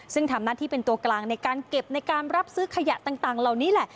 ซึ่งทำหน้าที่เป็นตัวกลางในการเก็บในการรับซื้อขยะต่างเหล่านี้แหละ